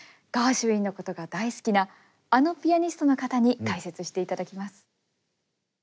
ガーシュウィンのことが大好きなあのピアニストの方に解説していただきます。